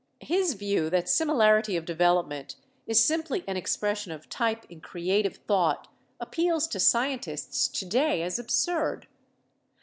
His view that similarity of development is simply an expression of type in creative thought appeals to scientists to day as absurd.